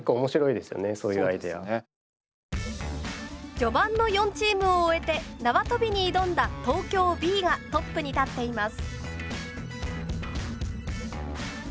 序盤の４チームを終えて縄跳びに挑んだ東京Ｂがトップに立っています。